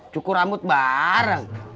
cuku rambut bareng